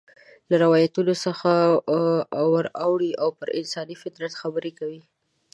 له روایتونو څخه ور اوړي او پر انساني فطرت خبرې کوي.